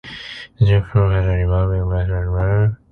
The top floor has a revolving restaurant and bar.